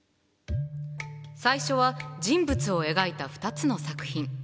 最初は人物を描いた２つの作品。